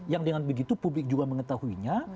yang dengan begitu publik juga mengetahuinya